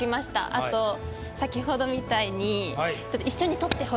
あと先ほどみたいに。